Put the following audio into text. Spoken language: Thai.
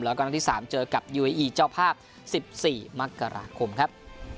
แล้วก็นัดที่๓เจอกับยูเออีเจ้าภาพ๑๔มกราคมครับ